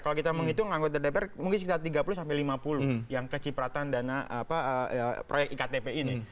kalau kita menghitung anggota dpr mungkin sekitar tiga puluh sampai lima puluh yang kecipratan dana proyek iktp ini